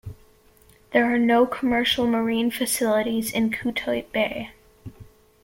There are no commercial marine facilities in Cotuit Bay.